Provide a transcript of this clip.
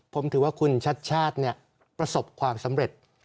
ผมถือว่าคุณชัดชาติประสบความสำเร็จ